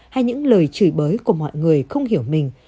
hay những lời chửi bới của mọi người không hiểu mình